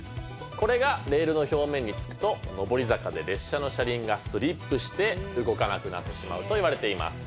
これがレールの表面に付くと上り坂で列車の車輪がスリップして動かなくなってしまうといわれています。